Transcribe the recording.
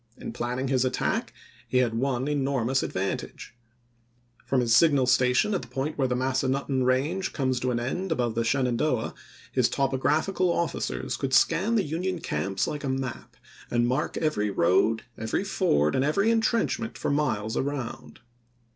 In planning his attack he had one enormous advantage ; from his signal station at the point where the Massa nutten range comes to an end above the Shenan doah, his topographical officers could scan the Union camps like a map, and mark every road, every ford, and every intrenchment for miles around.